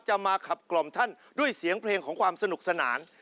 มาขับกล่อมท่านด้วยเสียงเพลงของความสนุกสนาน